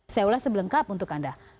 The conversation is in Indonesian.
saya ulas sebelengkap untuk anda